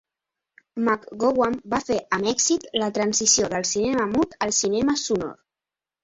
McGowan va fer amb èxit la transició del cinema mut al cinema sonor.